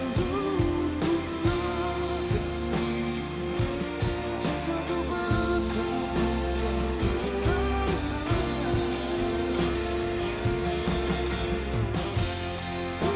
baru ku sanggup cintaku bertukus seberat tangan